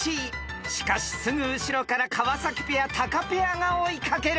［しかしすぐ後ろから川ペアタカペアが追い掛ける］